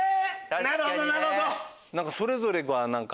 なるほどなるほど。